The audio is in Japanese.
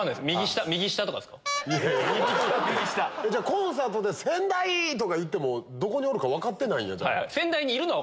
コンサートで仙台！とか言ってもどこにおるか分かってないんや。